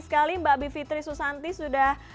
sekali mbak b fitri susanti sudah